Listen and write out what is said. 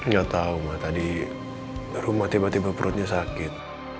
gak tau ma tadi rumah tiba tiba perutnya sakit